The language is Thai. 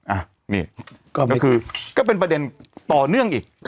อ่ะนี่ก็คือก็เป็นประเด็นต่อเนื่องอีก